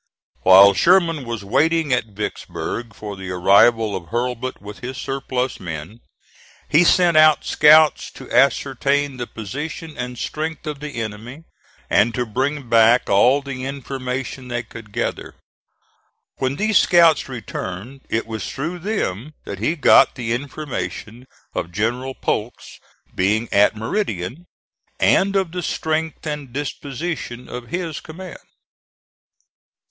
While Sherman was waiting at Vicksburg for the arrival of Hurlbut with his surplus men, he sent out scouts to ascertain the position and strength of the enemy and to bring back all the information they could gather. When these scouts returned it was through them that he got the information of General Polk's being at Meridian, and of the strength and disposition of his command.